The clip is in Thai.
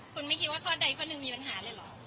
คุณไม่คิดว่าข้อใดข้อหนึ่งมีปัญหาเลยเหรอ